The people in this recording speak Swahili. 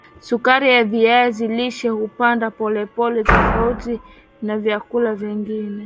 sukari ya viazi lishe hupanda polepole tofauti na vyakula vingine